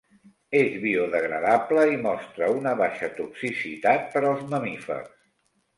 És biodegradable i mostra una baixa toxicitat per als mamífers.